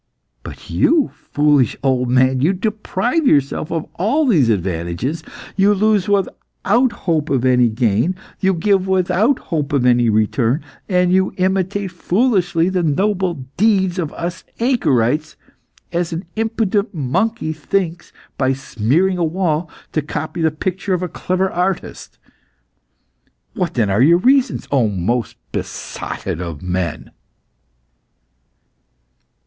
But you, foolish old man! you deprive yourself of all these advantages; you lose without hope of any gain; you give without hope of any return, and you imitate foolishly the noble deeds of us anchorites, as an impudent monkey thinks, by smearing a wall, to copy the picture of a clever artist. What, then, are your reasons, O most besotted of men?"